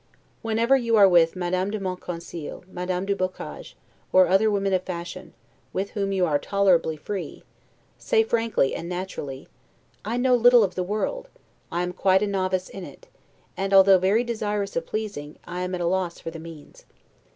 Whenever you are with Madame de Monconseil, Madame du Boccage, or other women of fashion, with whom you are tolerably free, say frankly and naturally: "I know little of the world; I am quite a novice in it; and although very desirous of pleasing, I am at a loss for the means.